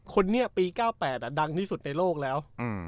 คนนี้ปี๙๘ดังที่สุดในโลกแล้ว